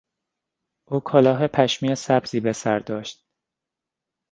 او کلاه پشمی سبزی به سر داشت.